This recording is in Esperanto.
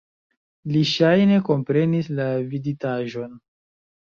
Li ŝajne komprenis la viditaĵon.